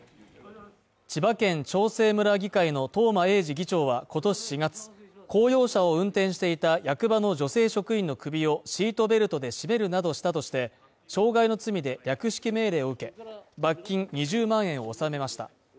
千葉県長生村議会の東間永次議長は今年４月、公用車を運転していた役場の女性職員の首をシートベルトで絞めるなどしたとして、傷害の罪で略式命令を受け罰金２０万円を納めました。